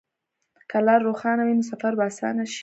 که لار روښانه وي، نو سفر به اسانه شي.